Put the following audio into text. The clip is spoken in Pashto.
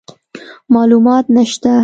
معلومات نشته،